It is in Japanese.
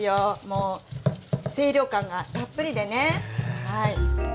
もう清涼感がたっぷりでね。